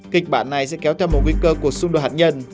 kịch bản này sẽ kéo theo một nguy cơ của xung đột hạt nhân